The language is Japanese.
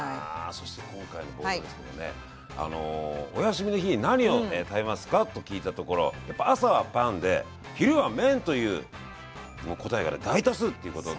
そして今回のボードですけどもねお休みの日に何を食べますか？と聞いたところやっぱ朝はパンで昼は麺という答えがね大多数っていうことで。